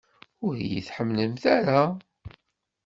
Ur iyi-tḥemmlemt ara?